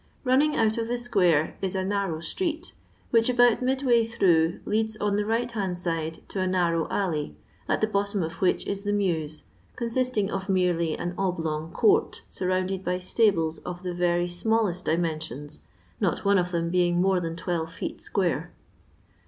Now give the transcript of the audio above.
Running out of the square is a narrow street, which, about mid way through, leads on the right hand side to a narrow alley, at the bottom of which is the mews, consbting of merely an oblong court, surrounded by stables of the yery smallest dimen sions, not one of them being more than twelve feet square.